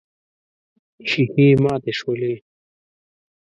ښيښې ماتې شولې.